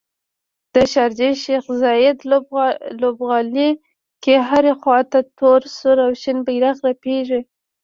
د شارجې شیخ ذاید لوبغالي کې هرې خواته تور، سور او شین بیرغ رپیږي